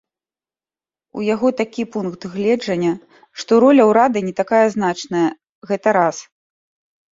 У яго такі пункт гледжання, што роля ўрада не такая значная, гэта раз.